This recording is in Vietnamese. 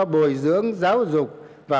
bồi dưỡng giáo dục và